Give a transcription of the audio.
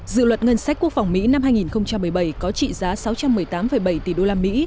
dự luật ngân sách quốc phòng mỹ năm hai nghìn một mươi bảy có trị giá sáu trăm một mươi tám bảy tỷ đô la mỹ